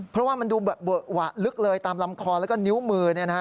เพราะว่ามันดูเวอะหวะลึกเลยตามลำคอแล้วก็นิ้วมือ